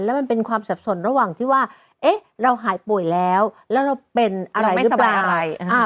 แล้วมันเป็นความสับสนระหว่างที่ว่าเอ๊ะเราหายป่วยแล้วแล้วเราเป็นอะไรหรือเปล่า